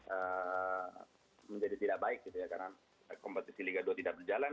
eee menjadi tidak baik gitu ya karena kompetisi liga dua tidak berjalan